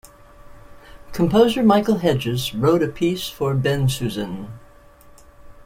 Composer Michael Hedges wrote a piece for Bensusan.